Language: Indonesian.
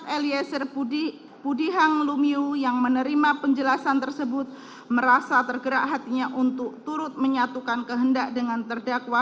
d setelah itu saksi richard eliezer pudihang lumiu yang menerima penjelasan tersebut merasa tergerak hatinya untuk turut menyatukan kehendak dengan terdakwa